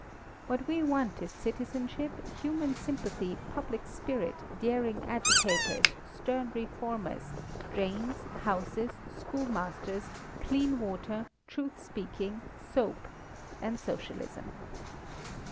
What we want is citizenship, human sympathy, public spirit, daring agitators, stern reformers, drains, houses, schoolmasters, clean water, truth speaking, soap and Socialism.